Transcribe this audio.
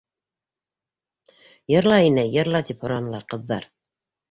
— Йырла, инәй, йырла, — тип һоранылар ҡыҙҙар.